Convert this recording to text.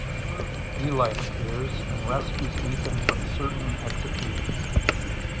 Elli appears and rescues Ethan from certain execution.